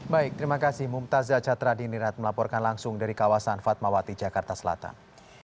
baik terima kasih mumtazah catra dinirat melaporkan langsung dari kawasan fatmawati jakarta selatan